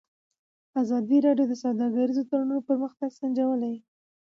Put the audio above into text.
ازادي راډیو د سوداګریز تړونونه پرمختګ سنجولی.